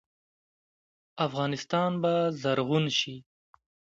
افغانستان به زرغون شي؟